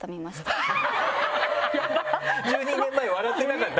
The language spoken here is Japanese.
１２年前笑ってなかった？